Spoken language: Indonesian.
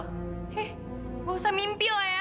hei gak usah mimpi lah ya